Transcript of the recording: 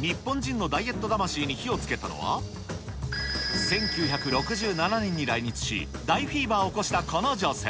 日本人のダイエット魂に火をつけたのは、１９６７年に来日し、大フィーバーを起こしたこの女性。